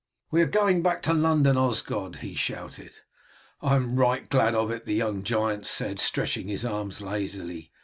"We are going back to London, Osgod," he shouted. "I am right glad of it," the young giant said, stretching his arms lazily.